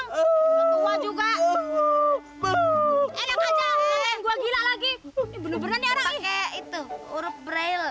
hai bener bener itu urup braille